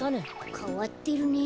かわってるね。